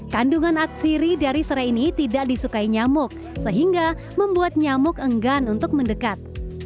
kandungan atsiri dari serai ini tidak disukai nyamuk sehingga membuat nyamuk enggan untuk mendekat